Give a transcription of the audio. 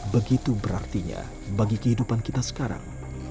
begitu berartinya bagi kehidupan kita sekarang